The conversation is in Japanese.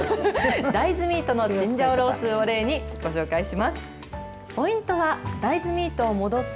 大豆ミートのチンジャオロースーを例にご紹介します。